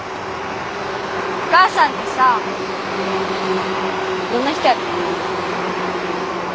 お母さんてさどんな人やった？